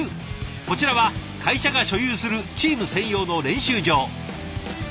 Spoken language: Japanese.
こちらは会社が所有するチーム専用の練習場。